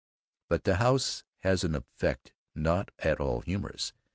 But the house has an effect not at all humorous.